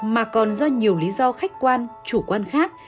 mà còn do nhiều lý do khách quan chủ quan khác